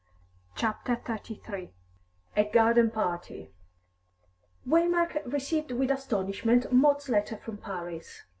CHAPTER XXXIII A GARDEN PARTY Waymark received with astonishment Maud's letter from Paris.